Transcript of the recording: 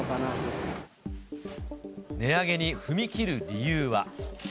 値上げに踏み切る理由は。